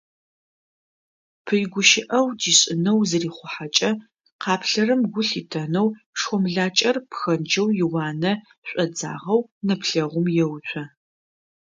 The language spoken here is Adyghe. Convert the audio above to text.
Пый гущыӏэгъу дишӏынэу зырихъухьэкӏэ къаплъэрэм гу лъитэнэу шхомлакӏэр пхэнджэу иуанэ шӏодзагъэу, нэплъэгъум еуцо.